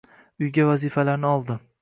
Uyga vazifalarni oldi